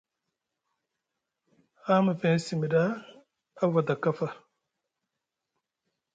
Haa mefeŋ simi ɗa a fada kafa.